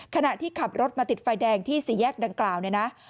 ขณะที่ขับรถมาติดไฟแดงที่สี่แยกดังกล่าวเนี่ยนะ